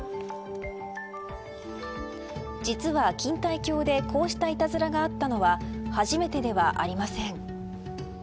実は錦帯橋でこうした、いたずらがあったのは初めてではありません。